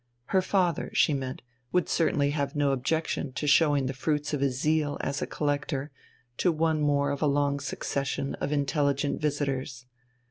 Her father, she meant, would certainly have no objection to showing the fruits of his zeal as a collector to one more of a long succession of intelligent visitors.